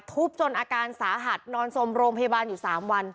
จนอาการสาหัสนอนสมโรงพยาบาลอยู่๓วัน